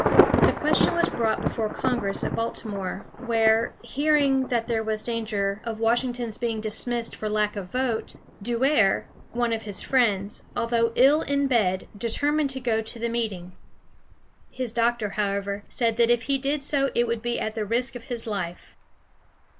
The question was brought before Congress at Baltimore, where, hearing that there was danger of Washington's being dismissed for lack of a vote, Du´er, one of his friends, although ill in bed, determined to go to the meeting. His doctor, however, said that if he did so it would be at the risk of his life.